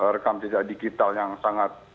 rekam jejak digital yang sangat